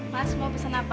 mas mau pesen apa